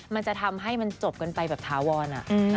มันจะทำให้มันจบกันไปแบบถาวร